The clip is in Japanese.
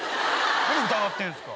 何疑ってるんすか？